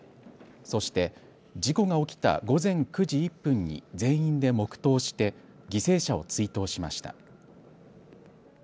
そして、事故が起きた午前９時１分に全員で黙とうして犠牲者を追悼しました。